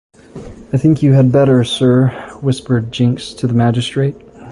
‘I think you had better, sir,’ whispered Jinks to the magistrate.